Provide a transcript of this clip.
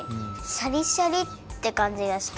シャリシャリってかんじがした？